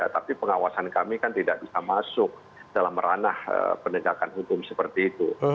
tapi pengawasan kami kan tidak bisa masuk dalam ranah penegakan hukum seperti itu